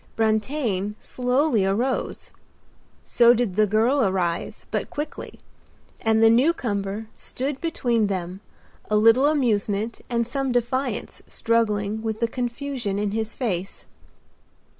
Brantain slowly arose; so did the girl arise, but quickly, and the newcomer stood between them, a little amusement and some defiance struggling with the confusion in his face.